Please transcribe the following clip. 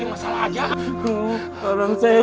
tidak mungkin hamil